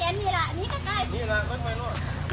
ไปใกล้